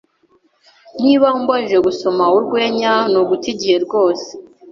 Niba umbajije, gusoma urwenya ni uguta igihe rwose.